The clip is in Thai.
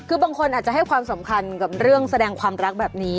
คือบางคนอาจจะให้ความสำคัญกับเรื่องแสดงความรักแบบนี้